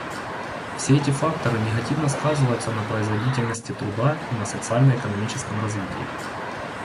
Все эти факторы негативно сказываются на производительности труда и на социально-экономическом развитии.